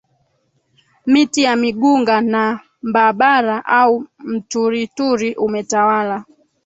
miti ya migunga na mbabara au mturituri umetawala